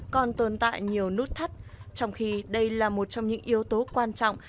còn tồn tại nhiều nút thắt trong khi đây là một trong những yếu tố quan trọng